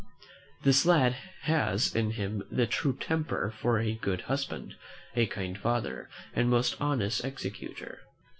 This lad has in him the true temper for a good husband, a kind father, and an honest executor.